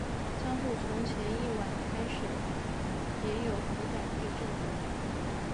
江户从前一晚开始也有可感地震。